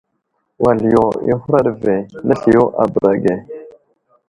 Wal yo i huraɗ ve, nəsliyo a bəra ge.